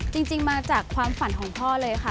จริงมาจากความฝันของพ่อเลยค่ะ